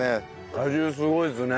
果汁すごいですね。